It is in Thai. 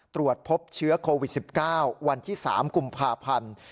ตรวจพบเชื้อโควิด๑๙วันที่๓กุมภาพันธ์